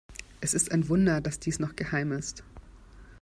Es ist ein Wunder, dass dies noch geheim ist.